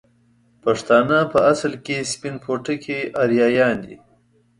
پښتانه په اصل کې سپين پوټکي اريايان دي